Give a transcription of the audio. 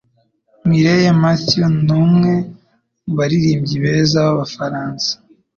Mireille Mathieu numwe mubaririmbyi beza b'Abafaransa.